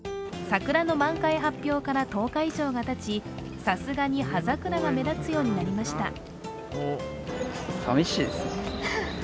桜の満開発表から１０日以上がたち、さすがに葉桜が目立つようになりました。